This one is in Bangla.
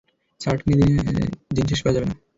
শার্ট কিনে দিন শেষ করা যাবে না।